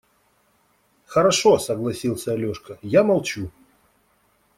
– Хорошо, – согласился Алешка, – я молчу.